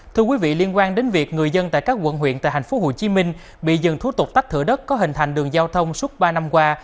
thưa quý vị liên quan đến việc người dân tại các quận huyện tại hành phố hồ chí minh bị dừng thú tục tách thửa đất có hình thành đường giao thông suốt ba năm qua